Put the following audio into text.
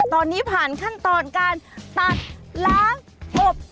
ตอนนี้ผ่านขั้นตอนการตัดล้างอบ